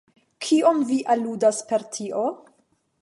Kion vi aludas per tio?